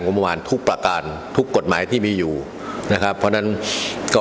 ประมาณทุกประการทุกกฎหมายที่มีอยู่นะครับเพราะฉะนั้นก็